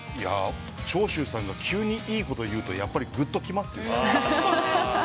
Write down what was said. ◆長州さんが急にいいこと言うとぐっときますよね。